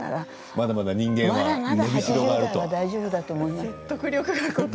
まだまだ人間は伸びしろがあると。